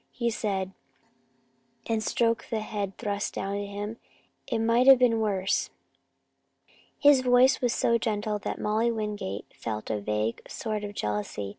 he said, and stroked the head thrust down to him. "It might have been worse." His voice was so gentle that Molly Wingate felt a vague sort of jealousy.